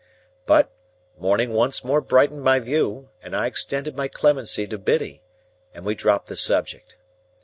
But, morning once more brightened my view, and I extended my clemency to Biddy, and we dropped the subject.